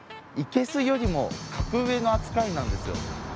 いけすよりも格上の扱いなんですよ。